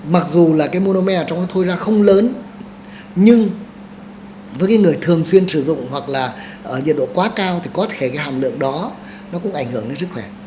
mặc dù là cái momer trong cái thôi là không lớn nhưng với cái người thường xuyên sử dụng hoặc là ở nhiệt độ quá cao thì có thể cái hàm lượng đó nó cũng ảnh hưởng đến sức khỏe